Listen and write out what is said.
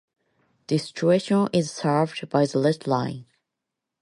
This station is served by the Red Line.